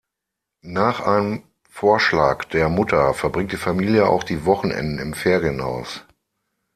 Nach einem Vorschlag der Mutter verbringt die Familie auch die Wochenenden im Ferienhaus.